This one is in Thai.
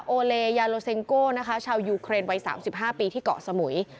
โอเลยาโลเซ็งโก้นะคะชาวยูเครนวัย๓๕ปีที่เกาะสมุย